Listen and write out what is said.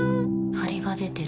ハリが出てる。